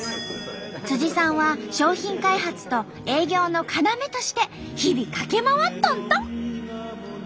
さんは商品開発と営業の要として日々駆け回っとんと！